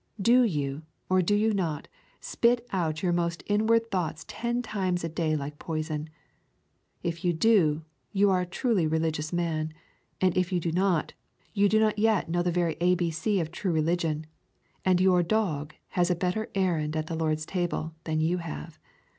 Do you, or do you not, spit out your most inward thoughts ten times a day like poison? If you do, you are a truly religious man, and if you do not, you do not yet know the very ABC of true religion, and your dog has a better errand at the Lord's table than you have.